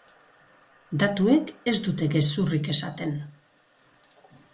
Datuek ez dute gezurrik esaten.